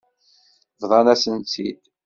Bḍan-asen-tt-id.